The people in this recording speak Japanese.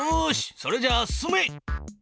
それじゃあ進め！